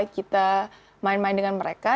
kita main main dengan mereka